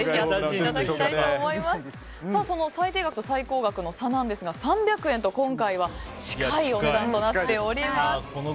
その最低額と最高額の差ですが３００円と今回は近いお値段となっております。